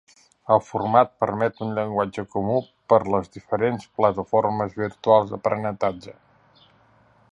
El format permet un llenguatge comú per les diferents plataformes virtuals d'aprenentatge.